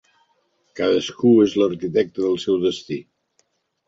Cadascú és l'arquitecte del seu destí.